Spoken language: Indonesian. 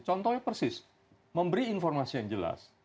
contohnya persis memberi informasi yang jelas